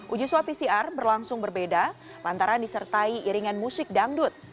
uji swab pcr berlangsung berbeda lantaran disertai iringan musik dangdut